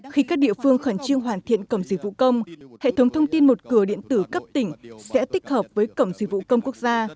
khi các địa phương khẩn trương hoàn thiện cổng dịch vụ công hệ thống thông tin một cửa điện tử cấp tỉnh sẽ tích hợp với cổng dịch vụ công quốc gia